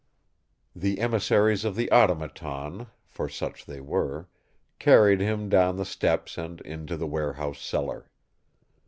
The emissaries of the Automaton, for such they were, carried him down the steps and into the warehouse cellar.